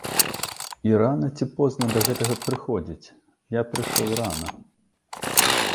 І рана ці позна да гэтага прыходзіць, я прыйшоў рана.